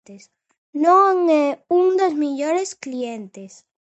Non é un dos mellores clientes.